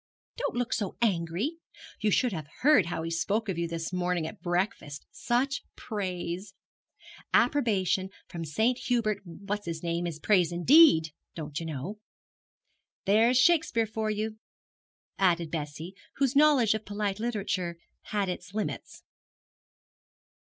'Don't look so angry. You should have heard how he spoke of you this morning at breakfast; such praise! Approbation from Sir Hubert What's his name is praise indeed, don't you know. There's Shakespeare for you!' added Bessie, whose knowledge of polite literature had its limits.